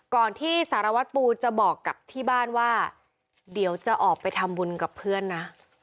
ก่อนที่สารวัตรปูจะบอกกับที่บ้านว่าเดี๋ยวจะออกไปทำบุญกับเพื่อนนะ